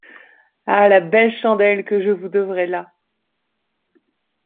Ah la belle chandelle que je vous devrai là!